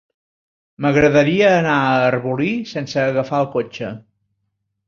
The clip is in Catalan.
M'agradaria anar a Arbolí sense agafar el cotxe.